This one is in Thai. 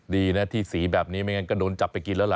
ดีนะที่สีแบบนี้ไม่งั้นก็โดนจับไปกินแล้วล่ะ